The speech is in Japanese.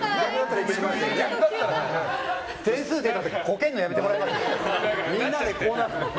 点数出た時こけるのやめてもらえます？